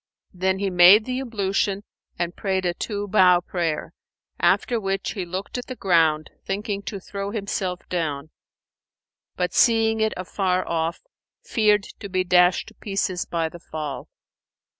Then he made the ablution and prayed a two bow prayer; after which he looked at the ground, thinking to throw himself down, but seeing it afar off, feared to be dashed to pieces by the fall.